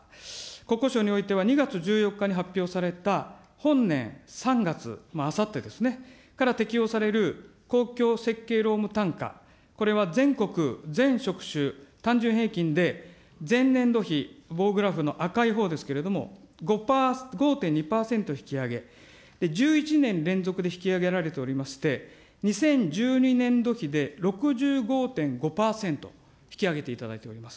国交省においては２月１４日に発表された、本年３月、あさってですね、から適用される公共設計労務単価、これは全国、全職種、単純平均で前年度比、棒グラフの赤いほうですけれども、５．２％引き上げ、１１年連続で引き上げられておりまして、２０１２年度比で６５．５％引き上げいただいております。